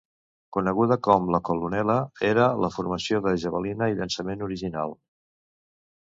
Coneguda com la "colunela", era la formació de javalina i llançament original